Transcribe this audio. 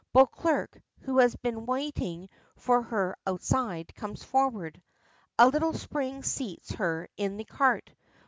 Beauclerk, who has been waiting for her outside, comes forward. A little spring seats her in the cart.